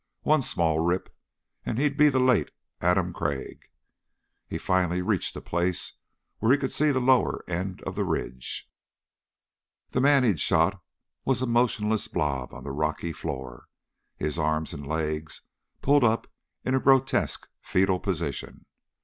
One small rip and he'd be the late Adam Crag. He finally reached a place where he could see the lower end of the ridge. The man he'd shot was a motionless blob on the rocky floor, his arms and legs pulled up in a grotesque fetal position.